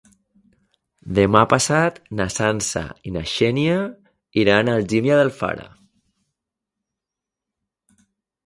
Demà passat na Sança i na Xènia iran a Algímia d'Alfara.